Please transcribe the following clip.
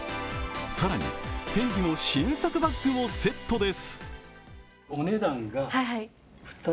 更に、ＦＥＮＤＩの新作バッグもセットです。